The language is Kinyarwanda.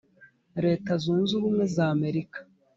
leta zunze ubumwe za america